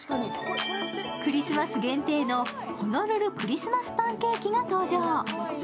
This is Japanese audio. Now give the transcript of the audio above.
クリスマス限定のホノルルクリスマスパンケーキが登場。